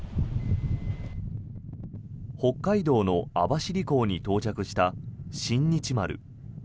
北海道の網走港に到着した「新日丸」。